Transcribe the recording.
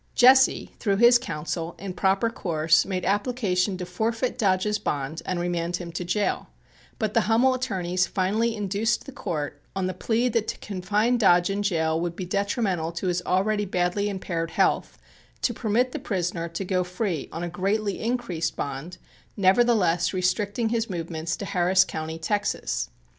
Jesse, through his counsel, in proper course made application to forfeit Dodge's bond and remand him to jail, but the Hummel attorneys finally induced the Court, on the plea that to confine Dodge in jail would be detrimental to his already badly impaired health, to permit the prisoner to go free on a greatly increased bond, nevertheless restricting his movements to Harris County, Texas.